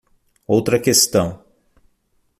Outra questão.